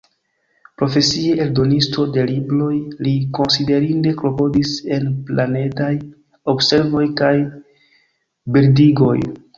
Profesie eldonisto de libroj, li konsiderinde klopodis en planedaj observoj kaj bildigoj.